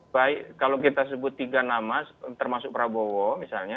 baik kalau kita sebut tiga nama termasuk prabowo misalnya